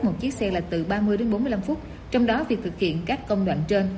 một chiếc xe là từ ba mươi đến bốn mươi năm phút trong đó việc thực hiện các công đoạn trên